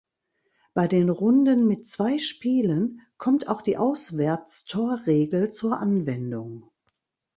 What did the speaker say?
Bei den Runden mit zwei Spielen kommt auch die Auswärtstorregel zur Anwendung.